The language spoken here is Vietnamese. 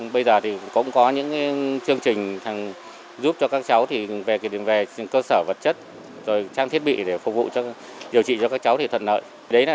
bây giờ thì cũng có những cái chương trình giúp cho các cháu thì về kỳ tình về cơ sở vật chất rồi trang thiết bị để phục vụ cho điều trị cho các cháu thì thuận lợi